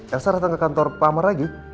elsa datang ke kantor pak amar lagi